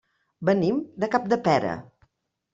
Venim de Capdepera.